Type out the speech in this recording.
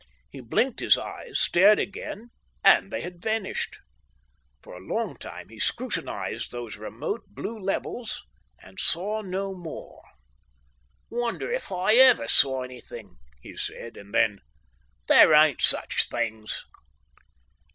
He blinked his eyes, stared again, and they had vanished. For a long time he scrutinised those remote blue levels and saw no more.... "Wonder if I ever saw anything," he said, and then: "There ain't such things...."